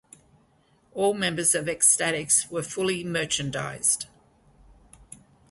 All members of X-Statix were fully merchandised.